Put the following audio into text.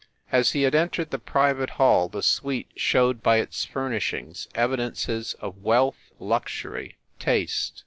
As he had entered the private hall the suite showed by its furnishings evidences of wealth, luxury, taste.